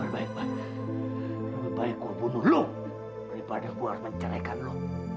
lebih baik buat lebih baik gua bunuh lu daripada gua harus menceraikan lu